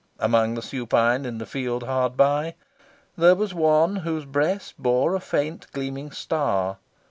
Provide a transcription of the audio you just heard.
Among the supine in the field hard by, there was one whose breast bore a faint gleaming star.